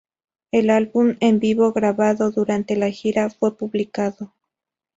Un álbum en vivo grabado durante la gira fue publicado.